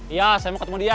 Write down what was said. iya saya mau ketemu dia